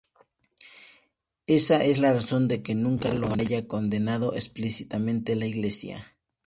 Ésa es la razón de que nunca lo haya condenado explícitamente la Iglesia.